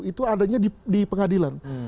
itu adanya di pengadilan